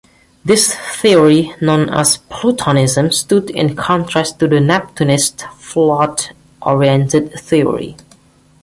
This theory, known as "Plutonism", stood in contrast to the "Neptunist" flood-oriented theory.